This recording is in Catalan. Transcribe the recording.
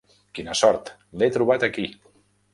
Quina sort, l'he trobat aquí.